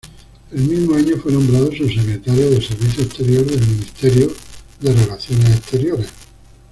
El mismo año fue nombrado Subsecretario del Servicio Exterior del Ministerio de Relaciones Exteriores.